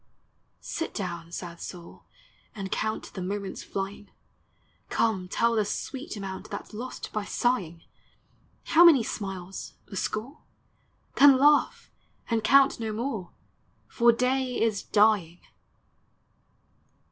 Sit down, sad soul, and count The moments Hying; Come, tell the sweet amount That 's lost by sighing! How many smiles? — a score? Then laugh, and count no more; For day is dying!